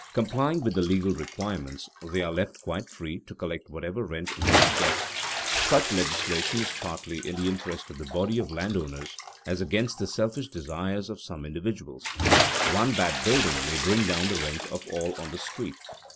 Complying with the legal requirements, they are left quite free to collect whatever rent they can get. Such legislation is partly in the interest of the body of landowners as against the selfish desires of some individuals. One bad building may bring down the rent of all on the street.